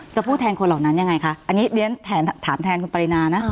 พูดแทนคนเหล่านั้นยังไงคะอันนี้เรียนถามแทนคุณปรินานะ